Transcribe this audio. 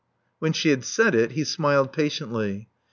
When she had said it, he smiled patiently.